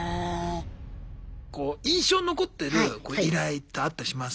こう印象に残ってる依頼ってあったりします？